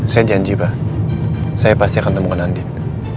saya janji pak saya pasti akan temukan andip